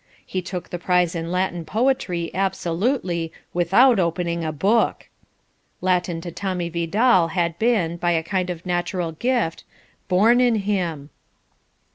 He took the prize in Latin poetry absolutely "without opening a book." Latin to Tommy Vidal had been, by a kind of natural gift, born in him.